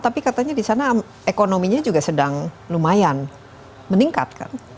tapi katanya di sana ekonominya juga sedang lumayan meningkat kan